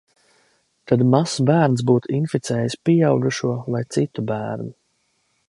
Kad mazs bērns būtu inficējis pieaugušo vai citu bērnu.